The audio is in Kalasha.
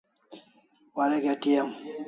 Warek ATM